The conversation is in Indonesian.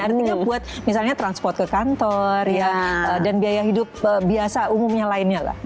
ada tinggal buat misalnya transport ke kantor dan biaya hidup biasa umumnya lainnya lah